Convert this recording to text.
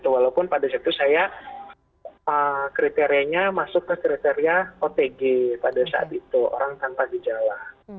walaupun pada saat itu saya kriterianya masuk ke kriteria otg pada saat itu orang tanpa gejala